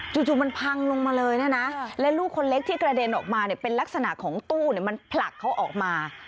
จู่มันพังลงมาเลยนะและลูกคนเล็กที่กระเด็นออกมาเนี่ยเป็นลักษณะของตู้มันผลักเขาออกมา